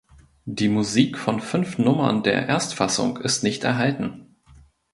Die Musik von fünf Nummern der Erstfassung ist nicht erhalten.